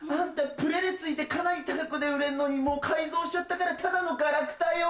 プレ値付いてかなり高く売れるのにもう改造しちゃったからただのガラクタよ。